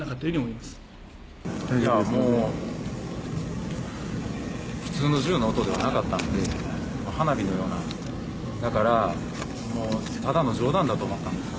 いやもう、普通の銃の音ではなかったんで、花火のような、だからただの冗談だと思ったんです。